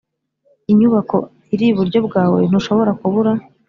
inyubako iri iburyo bwawe. ntushobora kubura.